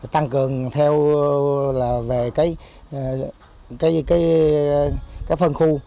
tăng cường theo phân khu